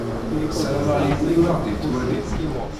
Sarameɣ yiwen ur aɣ-d-yettwali.